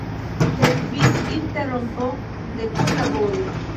Sekvis interrompo de kunlaboro.